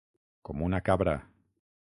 Com una cabra.